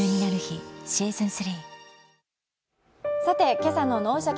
今朝の「脳シャキ！